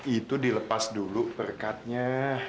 itu dilepas dulu perkatnya